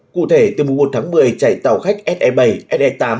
cụ thể từ mùa một tháng một mươi chạy tàu khách se bảy se tám